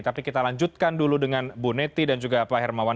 tapi kita lanjutkan dulu dengan bu neti dan juga pak hermawan